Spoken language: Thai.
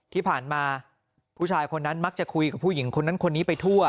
ที่ผ่านมาผู้ชายคนนั้นมักจะคุยกับผู้หญิงคนนั้นคนนี้ไปทั่ว